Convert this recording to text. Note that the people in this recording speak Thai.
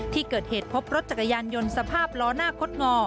ที่เกิดเหตุพบรถจักรยานยนต์สภาพล้อหน้าคดงอ